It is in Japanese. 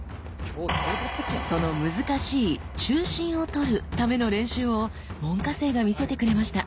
その難しい「中心をとる」ための練習を門下生が見せてくれました。